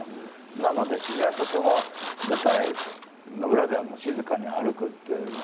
なので、自然と舞台の裏では静かに歩くっていうのを。